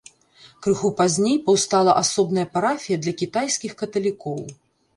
Крыху пазней паўстала асобная парафія для кітайскіх каталікоў.